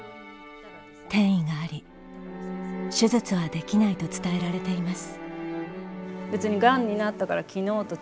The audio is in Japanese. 転移があり手術はできないと伝えられています。